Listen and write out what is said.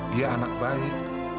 dia anak baik